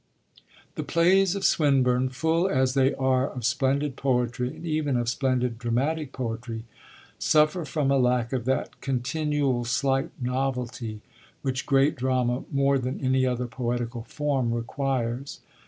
The plays of Swinburne, full as they are of splendid poetry, and even of splendid dramatic poetry, suffer from a lack of that 'continual slight novelty' which great drama, more than any other poetical form, requires.